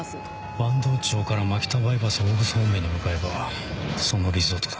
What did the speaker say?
坂東町から蒔田バイパスを大楠方面に向かえばそのリゾートだ。